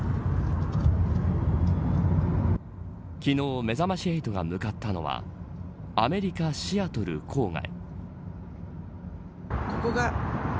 昨日、めざまし８が向かったのはアメリカ、シアトル郊外。